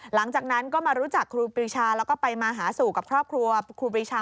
หลังจากนั้นก็มารู้จักครูปรีชาแล้วก็ไปมาหาสู่กับครอบครัวครูปรีชา